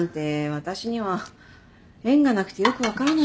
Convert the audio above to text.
私には縁がなくてよく分からないけど。